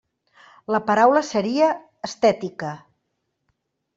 La paraula seria «estètica».